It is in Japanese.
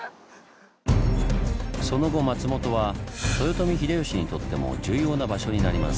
その後松本は豊臣秀吉にとっても重要な場所になります。